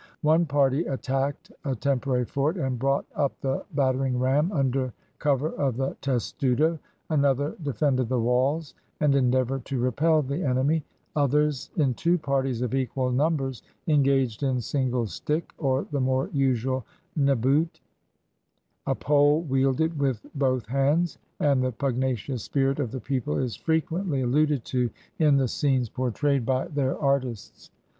One party attacked a temporary fort, and brought up the battering ram, under cover of the testudo; another de fended the walls and endeavored to repel the enemy; others, in two parties of equal numbers, engaged in single stick, or the more usual neboot, a pole wielded with both hands; and the pugnacious spirit of the people is frequently alluded to in the scenes portrayed by their artists.